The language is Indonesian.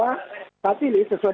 dari keterangan pak jokowi